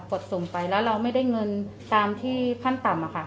ดสุ่มไปแล้วเราไม่ได้เงินตามที่ขั้นต่ำอะค่ะ